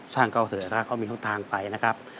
ช่างเข้าเถอะถ้าเขามีทางไปนะครับ